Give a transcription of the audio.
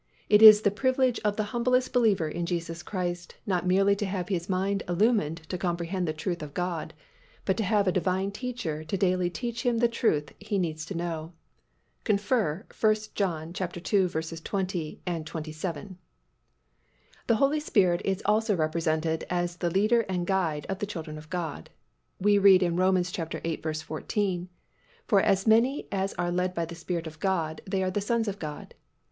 It is the privilege of the humblest believer in Jesus Christ not merely to have his mind illumined to comprehend the truth of God, but to have a Divine Teacher to daily teach him the truth he needs to know (cf. 1 John ii. 20, 27). The Holy Spirit is also represented as the Leader and Guide of the children of God. We read in Rom. viii. 14, "For as many as are led by the Spirit of God they are the sons of God."